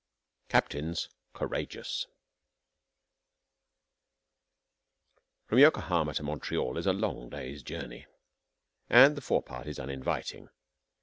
'CAPTAINS COURAGEOUS' From Yokohama to Montreal is a long day's journey, and the forepart is uninviting.